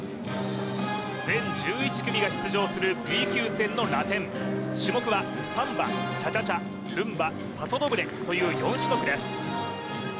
全１１組が出場するＢ級戦のラテン種目はサンバチャチャチャルンバパソドブレという４種目です